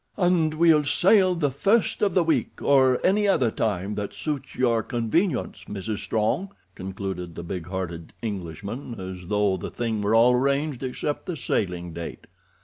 "And we'll sail the first of the week, or any other time that suits your convenience, Mrs. Strong," concluded the big hearted Englishman, as though the thing were all arranged except the sailing date.